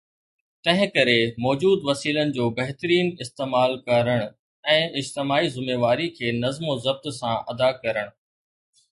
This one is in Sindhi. تنهن ڪري، موجود وسيلن جو بهترين استعمال ڪرڻ ۽ اجتماعي ذميواري کي نظم و ضبط سان ادا ڪرڻ